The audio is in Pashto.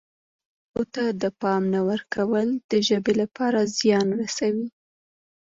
پښتو ته د پام نه ورکول د ژبې لپاره زیان رسوي.